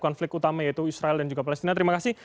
konflik utama yaitu israel dan juga palestina terima kasih